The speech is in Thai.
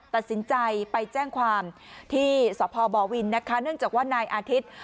ตัดสินใจไปแจ้งความที่สพบวินนะคะเนื่องจากว่านายอาทิตย์